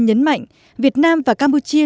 nhấn mạnh việt nam và campuchia